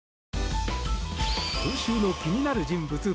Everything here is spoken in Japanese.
今週の気になる人物